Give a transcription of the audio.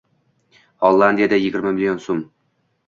Hollandiyada yigirma million so‘m